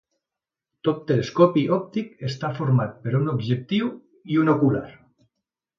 Tot telescopi òptic està format per un objectiu i un ocular.